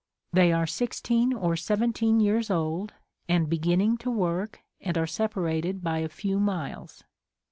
They are 16 or 17 years old and beginning to work and are separated by a few miles.